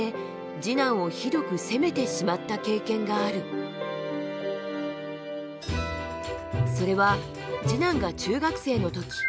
かつてそれは次男が中学生の時。